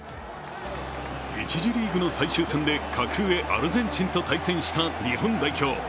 １次リーグの最終戦で格上アルゼンチンと対戦した日本代表。